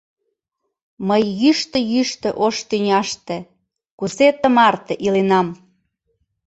Мый йӱштӧ-йӱштӧ ош тӱняште Кузе тымарте иленам?